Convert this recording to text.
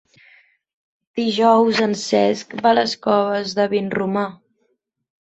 Dijous en Cesc va a les Coves de Vinromà.